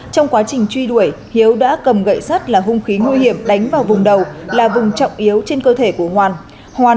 trong quá trình truy đuổi hiếu đã cầm gậy sắt là hung khí nguy hiểm đánh vào vùng đầu là vùng trọng yếu trên cơ thể của hoàn